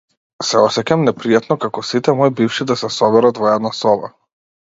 Се осеќам непријатно како сите мои бивши да се соберат во една соба.